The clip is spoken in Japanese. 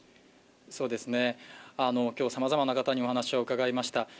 今日、さまざまな方にお話を伺いました。